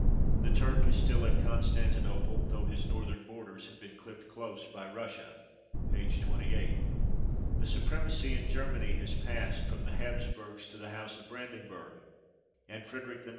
The Turk is still at Constantinople, though his northern borders have been clipped close by Russia (p. 28). The supremacy in Germany has passed from the Hapsburgs to the house of Brandenburg, and Frederick IX.